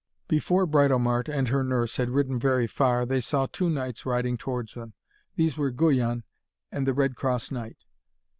Before Britomart and her nurse had ridden very far, they saw two knights riding towards them. These were Guyon and the Red Cross Knight.